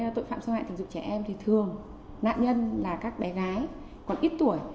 tội phạm xâm hại tình dục trẻ em thì thường nạn nhân là các bé gái còn ít tuổi